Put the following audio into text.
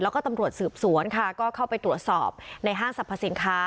แล้วก็ตำรวจสืบสวนค่ะก็เข้าไปตรวจสอบในห้างสรรพสินค้า